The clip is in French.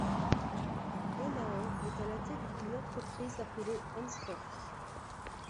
Monahan est à la tête d'une entreprise appelée Henceforth.